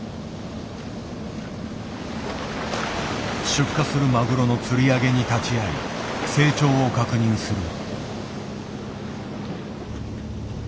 出荷するマグロの釣り上げに立ち会い成長を確認する。